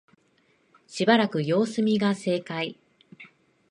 しばらく様子見が正解